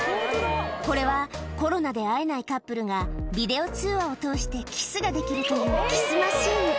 これはコロナで会えないカップルが、ビデオ通話を通してキスができるというキスマシン。